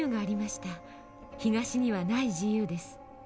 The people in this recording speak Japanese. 東にはない自由です。